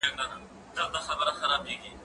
زه پرون سبزیحات وچوم وم؟!